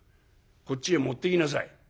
「こっちへ持ってきなさい。